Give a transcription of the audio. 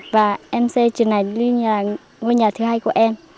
và em sẽ trường này đi như là ngôi nhà thứ hai của em